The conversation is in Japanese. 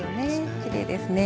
きれいですね。